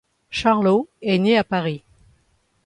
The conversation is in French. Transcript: Charlot est né à Paris.